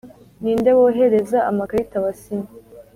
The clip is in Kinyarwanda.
ninde wohereza amakarita wasinye